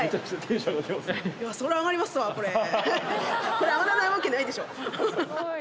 これ上がらないわけないでしょ。